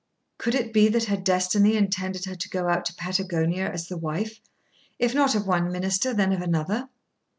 Could it be that her destiny intended her to go out to Patagonia as the wife, if not of one minister, then of another?